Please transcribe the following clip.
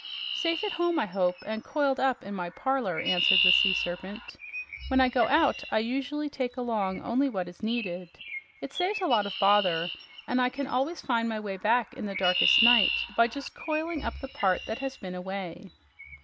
"Safe at home, I hope, and coiled up in my parlor," answered the Sea Serpent. "When I go out, I usually take along only what is needed. It saves a lot of bother and I can always find my way back in the darkest night by just coiling up the part that has been away."